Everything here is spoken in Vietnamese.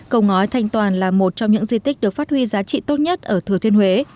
cầu ngói thanh toàn là một trong những di tích được phát huy giá trị tốt nhất ở thừa thiên huế